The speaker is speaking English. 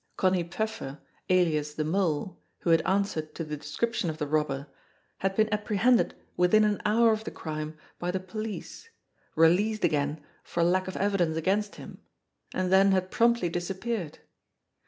Connie Pfeffer, alias the Mole, who had answered to the description of the robber, had been apprehended within an hour of the crime by the police, released again for lack of evidence against him and then had promptly disappeared.